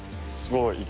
すごい。